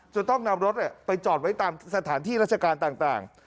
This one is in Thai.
จะต้องนำรถไปจอดไว้ตามสถานที่ราชการต่าง